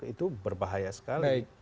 itu berbahaya sekali